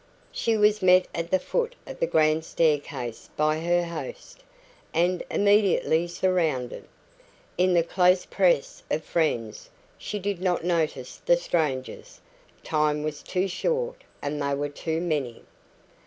She was met at the foot of the grand staircase by her host, and immediately surrounded. In the close press of friends she did not notice the strangers; time was too short and they were too many.